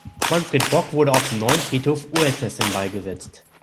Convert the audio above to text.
Manfred Bock wurde auf dem Neuen Friedhof Uetersen beigesetzt.